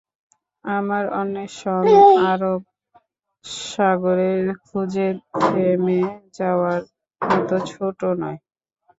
আমার অণ্বেষণ আরব সাগরে খুঁজে থেমে যাওয়ার মতো ছোট নয়।